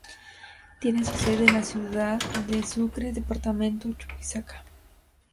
Tiene su sede en la ciudad de Sucre, departamento Chuquisaca.